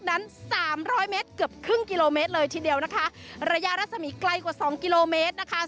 นั้นสามร้อยเมตรเกือบครึ่งกิโลเมตรเลยทีเดียวนะคะระยะรัศมีไกลกว่าสองกิโลเมตรนะคะ